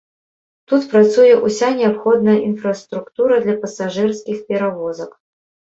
Тут працуе ўся неабходная інфраструктура для пасажырскіх перавозак.